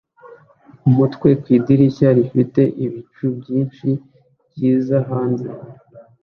umutwe ku idirishya rifite ibicu byinshi byiza hanze